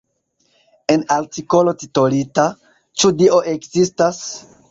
En artikolo titolita "Ĉu Dio ekzistas?